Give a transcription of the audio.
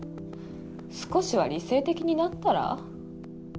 少しは理性的になったら？